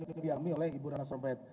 itu diambil oleh ibu rana sarompet